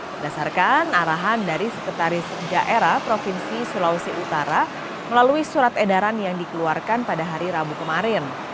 berdasarkan arahan dari sekretaris daerah provinsi sulawesi utara melalui surat edaran yang dikeluarkan pada hari rabu kemarin